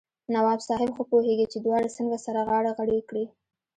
نواب صاحب ښه پوهېږي چې دواړه څنګه سره غاړه غړۍ کړي.